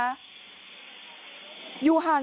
อยู่ห่างนี้นะครับ